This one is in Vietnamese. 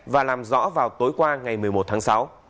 và làm rõ vào tối qua ngày một mươi một tháng sáu